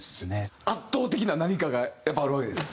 圧倒的な何かがあるわけですね。